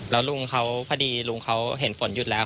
แล้วพระดีลุงเขาเห็นฝนหยุดแล้ว